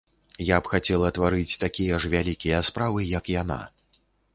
Я б хацела тварыць такія ж вялікія справы, як яна.